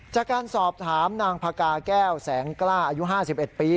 จากการสอบถามนางพกาแก้วแสงกล้าอายุ๕๑ปี